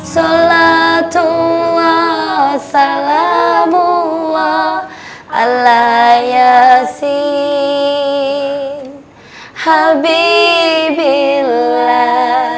salatullah salamu'ala yasin habibillah